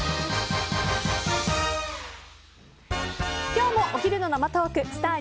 今日もお昼の生トークスター☆